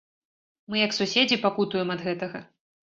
Мы як суседзі пакутуем ад гэтага.